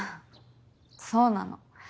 そうなの。